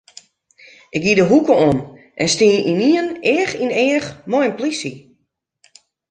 Ik gie de hoeke om en stie ynienen each yn each mei in polysje.